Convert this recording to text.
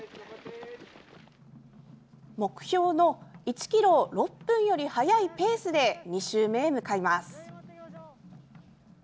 目標の１ｋｍ６分より速いペースで２周目へ向かいます。